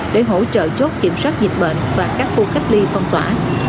để hỗ trợ chốt kiểm soát dịch bệnh và các khu cách ly phong tỏa